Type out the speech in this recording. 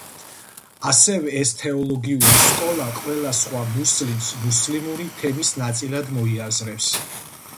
ასევე ეს თეოლოგიური სკოლა ყველა სხვა მუსლიმს მუსლიმური თემის ნაწილად მოიაზრებს.